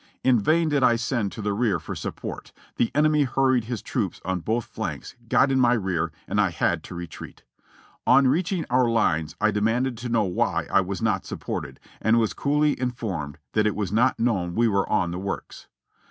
In vain did I send to the rear for support ; the enemy hurried his troops on both flanks, got in my rear, and I had to re treat. On reaching our lines I demanded to know why I was not supported, and was coolly informed that it was not known we were on the works.